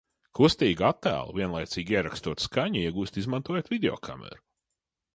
Kustīgu attēlu, vienlaicīgi ierakstot skaņu, iegūst izmantojot videokameru.